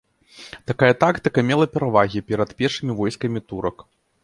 Такая тактыка мела перавагі перад пешымі войскамі турак.